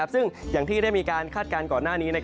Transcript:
ซึ่งอย่างที่ได้มีการคาดการณ์ก่อนหน้านี้